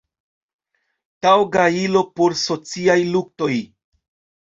taŭga ilo por sociaj luktoj".